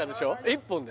１本で？